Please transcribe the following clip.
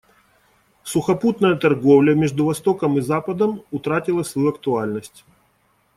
Сухопутная торговля между Востоком и Западом утратила свою актуальность.